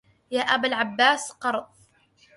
يا أبا العباس قرض